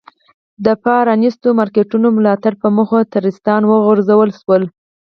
د پ رانیستو مارکېټونو ملاتړ په موخه ټرستان وغورځول شول.